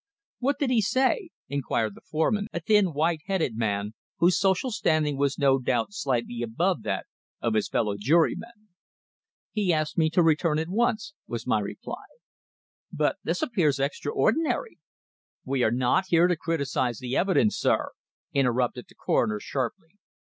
"What did he say?" inquired the foreman, a thin, white headed man whose social standing was no doubt slightly above that of his fellow jurymen. "He asked me to return to him at once," was my reply. "But this appears extraordinary " "We are not here to criticise the evidence, sir!" interrupted the coroner sharply.